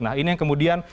nah ini yang kemudian